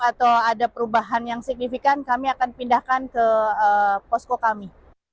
atau ada perubahan yang signifikan kami akan pindahkan ke posko kami